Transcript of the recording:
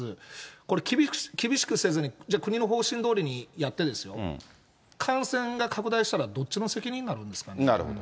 これ、厳しくせずに、じゃあ、国の方針どおりにやってですね、感染が拡大したらどっちの責任になるほど。